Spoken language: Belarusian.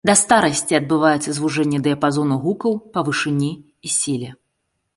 Да старасці адбываецца звужэнне дыяпазону гукаў па вышыні і сіле.